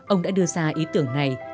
ông đã đưa ra ý tưởng này